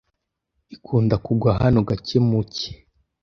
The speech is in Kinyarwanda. Ikunda kugwa hano cyane mu cyi.